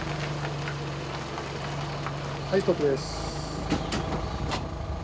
はいストップです。